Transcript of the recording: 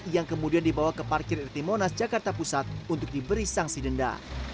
yang kemudian dibawa ke parkir rt monas jakarta pusat untuk diberi sanksi denda